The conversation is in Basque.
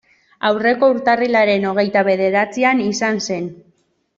Aurreko urtarrilaren hogeita bederatzian izan zen.